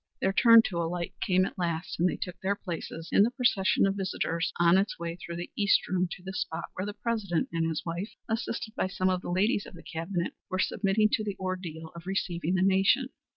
Their turn to alight came at last, and they took their places in the procession of visitors on its way through the East room to the spot where the President and his wife, assisted by some of the ladies of the Cabinet, were submitting to the ordeal of receiving the nation.